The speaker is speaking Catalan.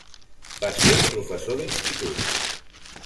Va ser professor d'Institut.